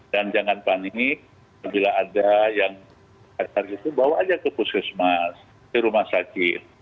dan jangan panik bila ada yang kacar gitu bawa aja ke puskesmas ke rumah sakit